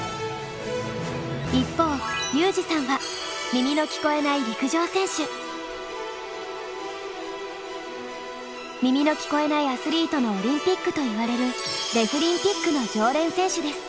一方裕士さんは耳の聞こえないアスリートのオリンピックといわれるデフリンピックの常連選手です。